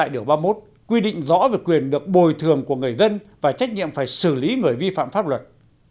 điều ba mươi một quy định rõ về quyền được bồi thường của người dân và trách nhiệm phải xử lý người vi phạm pháp luật